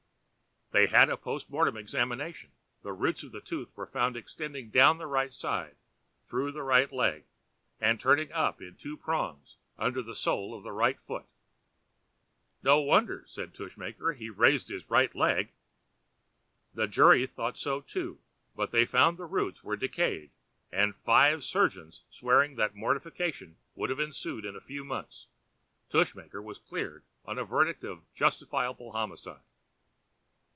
They had a post mortem examination—the roots of the tooth were found extending down the right side, through the right leg, and turning up in two prongs under the sole of the right foot! "No wonder," said Tushmaker, "he raised his right leg." The jury thought so, too, but they found the roots much decayed; and five surgeons swearing that mortification would have ensued in a few months, Tushmaker was cleared on a verdict of "justifiable homicide."